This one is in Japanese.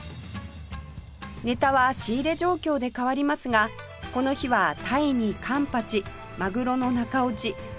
ネタは仕入れ状況で変わりますがこの日はタイにカンパチマグロの中落ち甘エビ